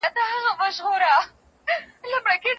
د ارغنداب سیند د کندهار د ابادۍ سمبول دی.